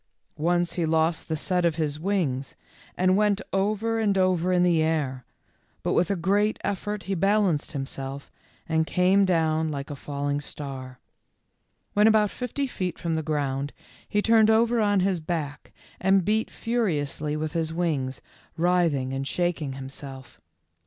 Once he lost the set of his wings, and went over and over in the air, but with a great effort he balanced himself and came down like a fall ing star. When about fifty feet from the ground he turned over on his back and beat furiously with his wings, writhing and shaking himself.